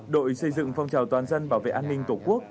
đội xây dựng phong trào toàn dân bảo vệ an ninh tổ quốc